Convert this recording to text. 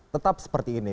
tetap seperti ini